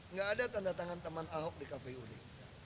nggak ada tanda tangan teman ahok di cafe uni